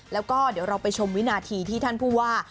แล้วก็เดี๋ยวเราไปชมวินาทีที่ท่านผู้ว่า